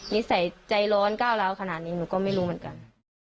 นิสัยใจร้อนก้าวร้าวขนาดนี้หนูก็ไม่รู้เหมือนกัน